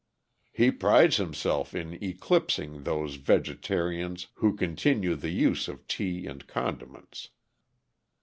He prides himself in eclipsing those 'vegetarians' who continue the use of tea and condiments.